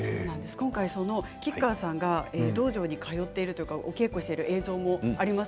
今回、吉川さんが道場に通っているお稽古の映像もあります。